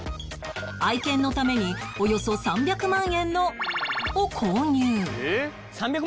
愛犬のためにおよそ３００万円のを購入